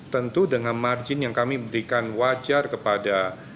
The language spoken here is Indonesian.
tentu dengan margin yang kami berikan wajar kepada